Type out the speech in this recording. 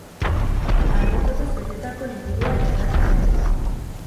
Anekdotaz betatako liburua yada kalean da.